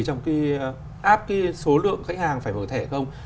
trong khi áp cái số lượng khách hàng phải mở thẻ không